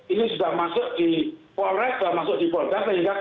ini sudah masuk di polres sudah masuk di polda